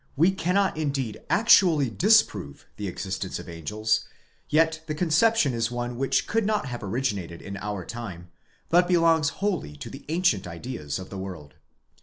5 we cannot indeed actually disprove the existence of angels, yet the conception is one which could not have originated in our time, but belongs wholly to the ancient ideas of the world.